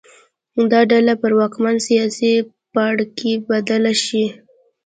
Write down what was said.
دا ډله پر واکمن سیاسي پاړکي بدله شي